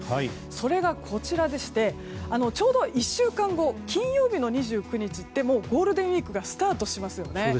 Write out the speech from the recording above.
それが、こちらでしてちょうど１週間後金曜日の２９日もうゴールデンウィークがスタートしますよね。